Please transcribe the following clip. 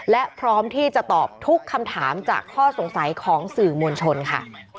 และพร้อมที่จะตอบทุกคำถามจากข้อสงสัยของสื่อมวลชนค่ะ